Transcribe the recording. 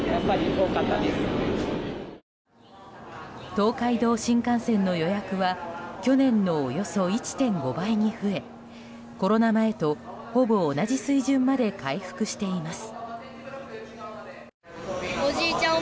東海道新幹線の予約は去年のおよそ１．５倍に増えコロナ前とほぼ同じ水準まで回復しています。